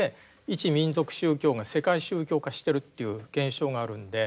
一民族宗教が世界宗教化しているという現象があるので。